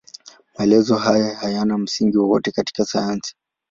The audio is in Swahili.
Maelezo hayo hayana msingi wowote katika sayansi.